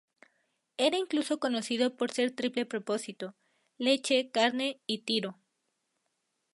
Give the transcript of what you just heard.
Era incluso conocido por ser triple propósito: leche, carne y tiro.